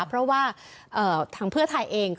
เพราะว่าทางเพื่อไทยเอง